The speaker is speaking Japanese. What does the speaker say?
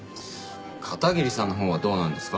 片桐さんのほうはどうなんですか？